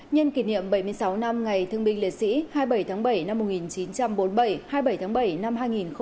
nhân kỷ niệm bảy mươi sáu năm ngày thương binh liệt sĩ hai mươi bảy tháng bảy năm một nghìn chín trăm bốn mươi bảy hai mươi bảy tháng bảy năm hai nghìn một mươi chín